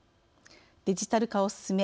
デジタル化を進め